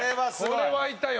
これ沸いたよ。